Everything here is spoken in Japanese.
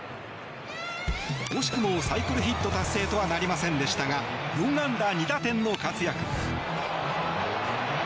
惜しくもサイクルヒット達成とはなりませんでしたが４安打２打点の活躍。